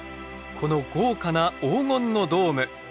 この豪華な黄金のドーム。